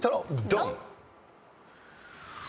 ドン！